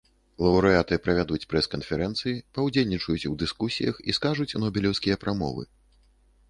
Лаўрэаты правядуць прэс-канферэнцыі, паўдзельнічаюць у дыскусіях і скажуць нобелеўскія прамовы.